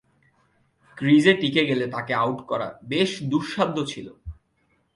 ক্রিজে টিকে গেলে তাকে আউট করা বেশ দুঃসাধ্য ছিল।